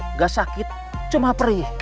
nggak sakit cuma perih